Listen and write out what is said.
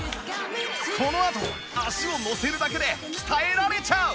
このあと足を乗せるだけで鍛えられちゃう！